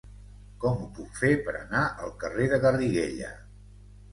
Com ho puc fer per anar al carrer de Garriguella?